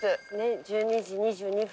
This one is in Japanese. １２時２２分。